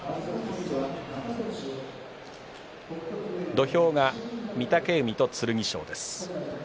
土俵が御嶽海と剣翔です。